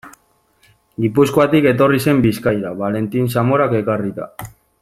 Gipuzkoatik etorri zen Bizkaira, Valentin Zamorak ekarrita.